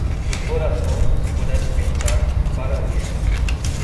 O coração, se pudesse pensar, pararia.